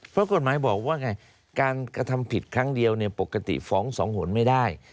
เพราะกฎหมายบอกว่าไงการกระทำผิดครั้งเดียวปกติฟ้องสองหนไม่ได้